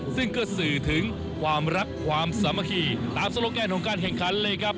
ซึ่งก็สื่อถึงความรักความสามัคคีตามโลแกนของการแข่งขันเลยครับ